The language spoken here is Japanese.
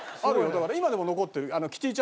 だから今でも残ってるよ。